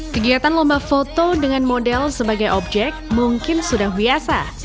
kegiatan lomba foto dengan model sebagai objek mungkin sudah biasa